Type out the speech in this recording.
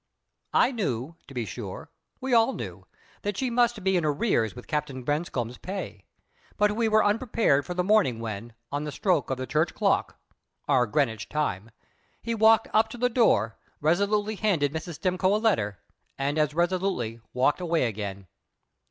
I knew, to be sure we all knew that she must be in arrears with Captain Branscome's pay; but we were unprepared for the morning when, on the stroke of the church clock our Greenwich time he walked up to the door, resolutely handed Mrs. Stimcoe a letter, and as resolutely walked away again.